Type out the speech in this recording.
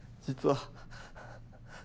実は。